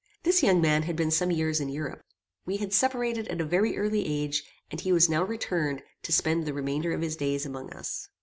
This young man had been some years in Europe. We had separated at a very early age, and he was now returned to spend the remainder of his days among us.